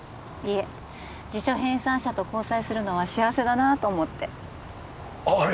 いえ辞書編纂者と交際するのは幸せだなと思ってああ